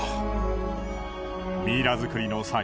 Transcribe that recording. ミイラ作りの際